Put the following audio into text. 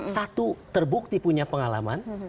satu terbukti punya pengalaman